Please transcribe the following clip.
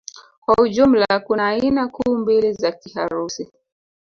Kwa ujumla kuna aina kuu mbili za Kiharusi